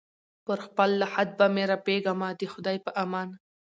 پر خپل لحد به مي رپېږمه د خدای په امان